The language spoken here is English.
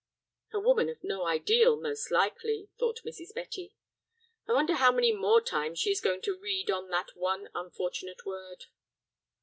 —" "'A Woman of no Ideal,' most likely," thought Mrs. Betty. "I wonder how many more times she is going to tread on that one unfortunate word."